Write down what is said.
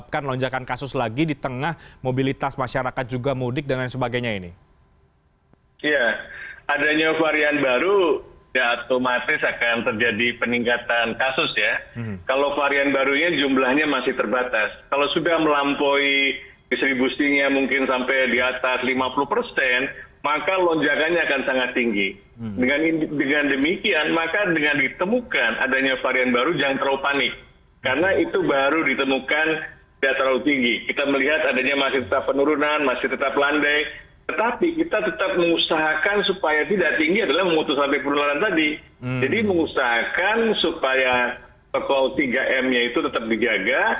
pekol tiga m nya itu tetap dijaga